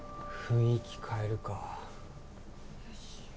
雰囲気変えるか